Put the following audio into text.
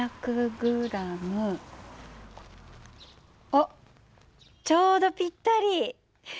あっちょうどぴったり。